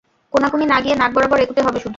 কোণাকুণি না গিয়ে নাক বরাবর এগুতে হবে শুধু!